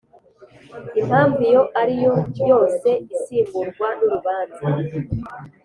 impamvu iyo ariyo yose isimburwa n urubanza